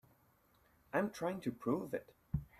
I'm trying to prove it.